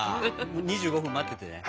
２５分待っててね。